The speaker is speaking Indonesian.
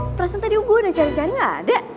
perasaan tadi gue udah cari cari gak ada